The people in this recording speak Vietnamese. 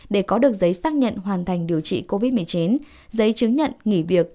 để có được giấy xác nhận hoàn thành điều trị covid một mươi chín giấy chứng nhận nghỉ việc